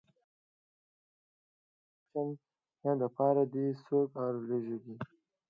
چې د کانسولټېشن د پاره دې څوک ارولېږي.